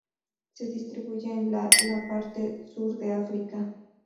Se distribuye en la la parte sur de África.